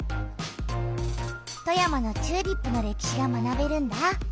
富山のチューリップの歴史が学べるんだ！